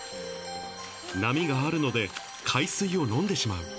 波があるので、海水を飲んでしまう。